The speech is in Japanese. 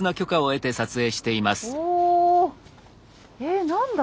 えっ何だ？